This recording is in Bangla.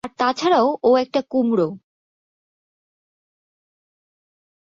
আর তাছাড়াও ও একটা কুমড়ো।